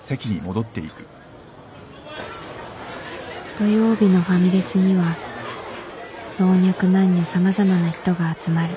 土曜日のファミレスには老若男女様々な人が集まる